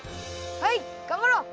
はいがんばろう！